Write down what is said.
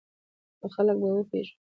خلک به وپېژنې!